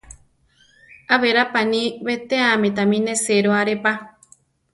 Á berá paní betéame tami nesero aré pa.